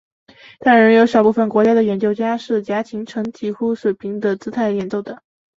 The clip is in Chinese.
但仍有少部分国家的演奏家是夹琴呈几乎水平的姿态演奏。